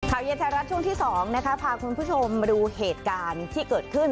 เย็นไทยรัฐช่วงที่๒นะคะพาคุณผู้ชมมาดูเหตุการณ์ที่เกิดขึ้น